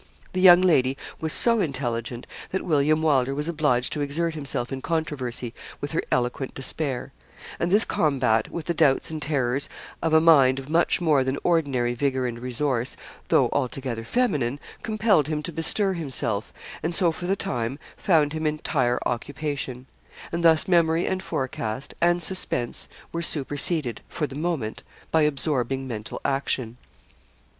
The young lady was so intelligent that William Wylder was obliged to exert himself in controversy with her eloquent despair; and this combat with the doubts and terrors of a mind of much more than ordinary vigour and resource, though altogether feminine, compelled him to bestir himself, and so, for the time, found him entire occupation; and thus memory and forecast, and suspense, were superseded, for the moment, by absorbing mental action.